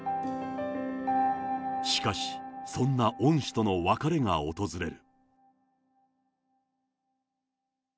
しかし、そんな恩師との別れが訪れる。